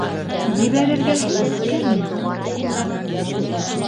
Ебәрергә һис кем юҡ.